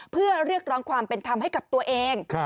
เพื่อเรียกร้องความเป็นธรรมให้กับตัวเอง